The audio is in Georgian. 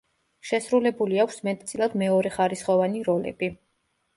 შესრულებული აქვს მეტწილად მეორეხარისხოვანი როლები.